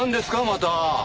また。